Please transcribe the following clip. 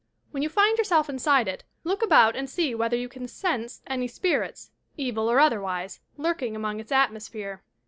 When you, find youre^ inside it, look about and see whether you can " sense " ^ny^spirits, evil or otherwise, lurking within its atmosphere.""